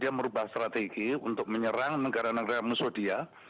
dia merubah strategi untuk menyerang negara negara musuh dia